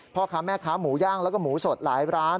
พ่อค้าแม่ค้าหมูย่างแล้วก็หมูสดหลายร้าน